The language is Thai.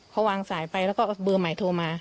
เขาวางสายไปแล้วก็เบอร์ใหม่โทรมา